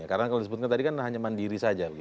karena kalau disebutkan tadi kan hanya mandiri saja